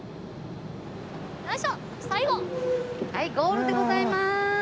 はいゴールでございます。